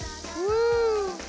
うん。